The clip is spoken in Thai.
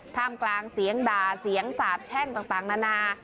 ท่ามกลางเสียงด่าเสียงสาบแช่งต่างนานา